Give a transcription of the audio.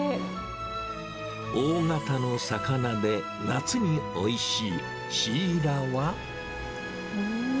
大型の魚で、夏においしいシイラは。